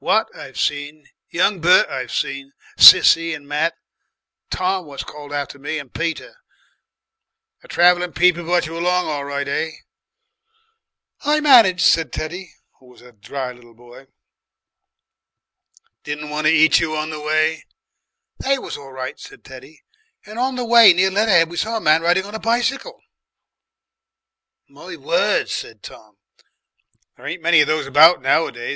Wat I've seen, young Bert I've seen, Sissie and Matt, Tom what's called after me, and Peter. The traveller people brought you along all right, eh?" "I managed," said Teddy, who was a dry little boy. "Didn't want to eat you on the way?" "They was all right," said Teddy, "and on the way near Leatherhead we saw a man riding on a bicycle." "My word!" said Tom, "there ain't many of those about nowadays.